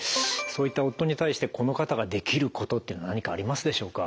そういった夫に対してこの方ができることって何かありますでしょうか？